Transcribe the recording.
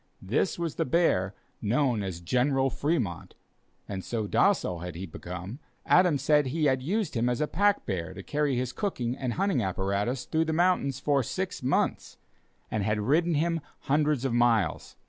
This was the bear known as "General Fremont," and so docile had he become, that Adams said he had used him as a pack bear to carry his cooking and hunting apparatus through the mountains for six months, and had ridden him hundreds of miles.